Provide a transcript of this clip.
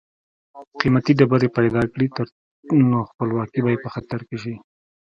قیمتي ډبرې پیدا کړي نو خپلواکي به یې په خطر کې شي.